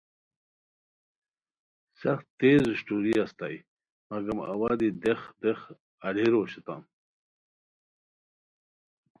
سخت تیز اوشٹوری استائے مگم اوا دی دیخ دیخ آلیروشتام